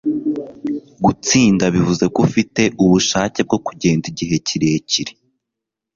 Gutsinda bivuze ko ufite ubushake bwo kugenda igihe kirekire,